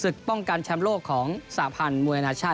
ป้องกันแชมป์โลกของสาพันธ์มวยอนาชาติ